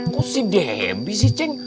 kok si debbie sih ceng